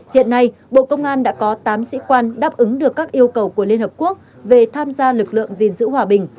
hiện nay bộ công an đã có tám sĩ quan đáp ứng được các yêu cầu của liên hợp quốc về tham gia lực lượng gìn giữ hòa bình